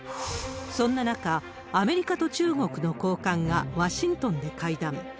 そんな中、アメリカと中国の高官がワシントンで会談。